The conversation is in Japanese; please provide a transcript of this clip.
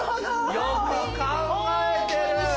よく考えてる。